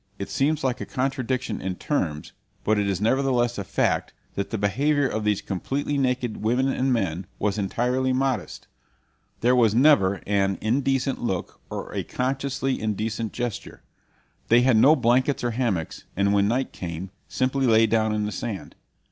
It seems like a contradiction in terms, but it is nevertheless a fact that the behavior of these completely naked women and men was entirely modest. There was never an indecent look or a consciously indecent gesture. They had no blankets or hammocks, and when night came simply lay down in the sand.